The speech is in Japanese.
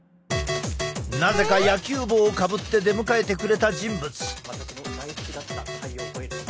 なぜか野球帽をかぶって出迎えてくれた人物。